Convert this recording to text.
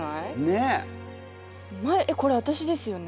えっこれ私ですよね？